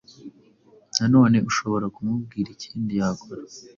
nanone ushobora kumubwira ikindi yakora